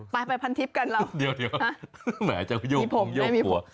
ไปพันทิศกันเราเดี๋ยวแหมจะเยี่ยมของเยี่ยมขัว